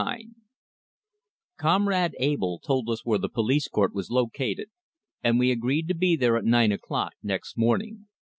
XLIX Comrade Abell told us where the police court was located, and we agreed to be there at nine o'clock next morning.